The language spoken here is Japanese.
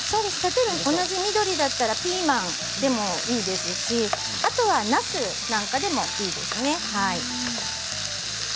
同じ緑だったらピーマンでもいいですしあとは、なすでもいいですね。